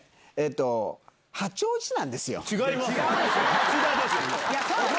町田ですよ。